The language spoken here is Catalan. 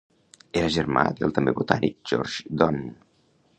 Era germà del també botànic George Don.